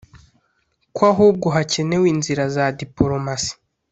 ko ahubwo hakenewe inzira za dipolomasi